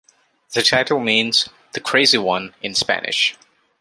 The title means "The Crazy One" in Spanish.